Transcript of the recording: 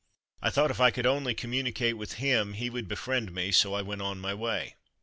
I thought if I could only communicate with him he would befriend me, so I went on my way.